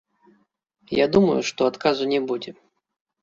Я думаю, што адказу не будзе.